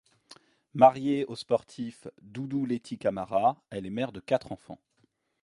Mariée au sportif Doudou Leyti Camara, elle est mère de quatre enfants.